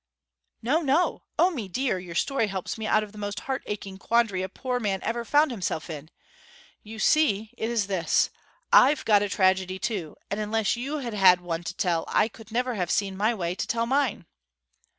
'No no! O, mee deer, your story helps me out of the most heart aching quandary a poor man ever found himself in! You see, it is this I've got a tragedy, too; and unless you had had one to tell, I could never have seen my way to tell mine!'